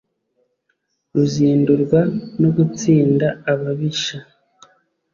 Ruzindurwa no gutsinda ababisha,